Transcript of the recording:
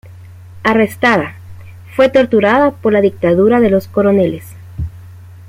Arrestada, fue torturada por la Dictadura de los Coroneles.